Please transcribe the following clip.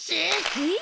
えっ？